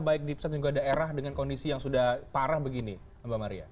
baik di pusat juga daerah dengan kondisi yang sudah parah begini mbak maria